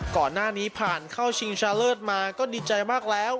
ก่อนหน้านี้ผ่านเข้าชิงชาเลิศมาก็ดีใจมากแล้ว